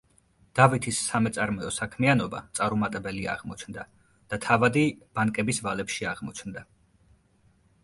დავითის სამეწარმეო საქმიანობა წარუმატებელი აღმოჩნდა და თავადი ბანკების ვალებში აღმოჩნდა.